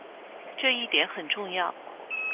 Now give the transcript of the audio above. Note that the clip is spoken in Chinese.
这一点很重要。